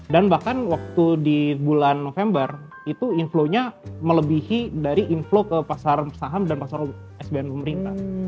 dan bahkan waktu di bulan november itu inflownya melebihi dari inflow ke pasar saham dan pasar spbi pemerintah